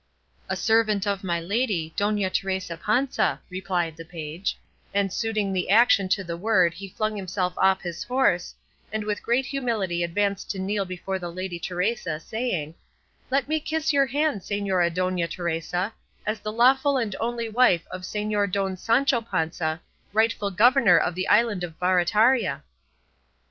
"A servant of my lady, Dona Teresa Panza," replied the page; and suiting the action to the word he flung himself off his horse, and with great humility advanced to kneel before the lady Teresa, saying, "Let me kiss your hand, Señora Dona Teresa, as the lawful and only wife of Señor Don Sancho Panza, rightful governor of the island of Barataria."